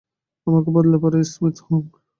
আমাকে বলতে পারো স্মিথ হ্যেওং।